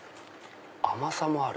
甘さもある。